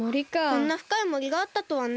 こんなふかいもりがあったとはね。